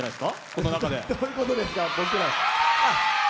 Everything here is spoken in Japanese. この中で。どういうことですか？